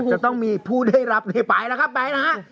จะต้องมีผู้ได้รับนี่ไปแล้วครับไปนะฮะ